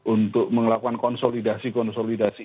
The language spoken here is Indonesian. untuk melakukan konsolidasi konsolidasi